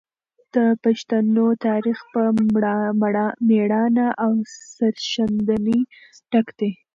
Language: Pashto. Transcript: د پښتنو تاریخ په مړانه او سرښندنې ډک دی.